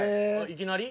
いきなり？